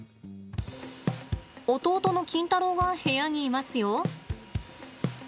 弟のキンタロウが部屋にいますよ。